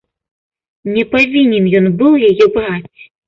Не павінен ён быў яе браць.